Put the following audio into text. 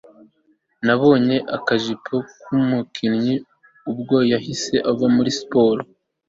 nabonye akajisho k'umukinnyi ubwo yahise ava muri siporo